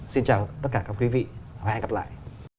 xin chào tất cả các quý vị và hẹn gặp lại